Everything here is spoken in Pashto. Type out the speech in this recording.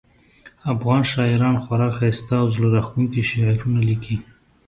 افغان شاعران خورا ښایسته او زړه راښکونکي شعرونه لیکي